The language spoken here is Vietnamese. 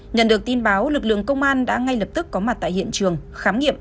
nhận được tin báo lực lượng công an đã ngay lập tức có mặt tại hiện trường khám nghiệm